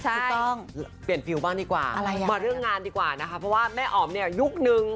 ถูกต้องเปลี่ยนฟิลบ้างดีกว่ามาเรื่องงานดีกว่านะคะเพราะว่าแม่อ๋อมเนี่ยยุคนึง